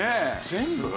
全部？